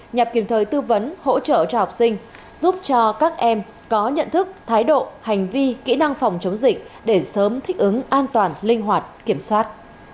nhằm kịp thời tư vấn hỗ trợ cho học sinh giúp cho các em có nhận thức thái độ hành vi kỹ năng phòng chống dịch để sớm thích ứng an toàn linh hoạt kiểm soát